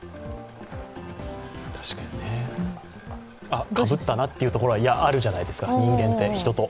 あっ、かぶったなというところがあるじゃないですか、人間って、人と。